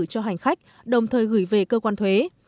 cho hành khách đồng thời gửi về cơ quan thuế